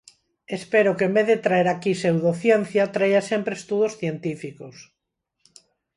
Espero que en vez de traer aquí pseudociencia traia sempre estudos científicos.